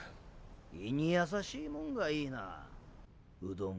胃にやさしいモンがいいなうどん。